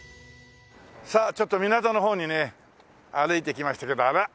さあちょっと港の方にね歩いてきましたけどあらっ。